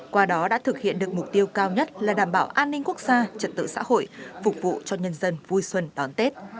qua đó đã thực hiện được mục tiêu cao nhất là đảm bảo an ninh quốc gia trật tự xã hội phục vụ cho nhân dân vui xuân đón tết